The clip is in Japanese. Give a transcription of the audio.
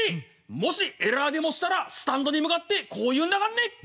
もしエラーでもしたらスタンドに向かってこう言うんだかんね。